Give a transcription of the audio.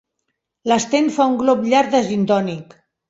L'Sten fa un glop llarg de gintònic.